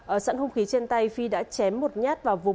ở sẵn hông khí trên tay phi đã chém một nhát vào vùng